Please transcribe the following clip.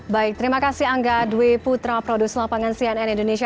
baik terima kasih angga dwi putra produser lapangan cnn indonesia